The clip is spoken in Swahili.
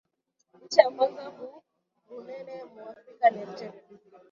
Inchi ya kwanza ku bunene mu afrika ni algeria